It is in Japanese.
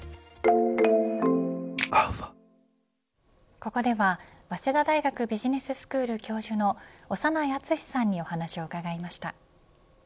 ここでは早稲田大学ビジネススクール教授の長内厚さんにお話を伺いました。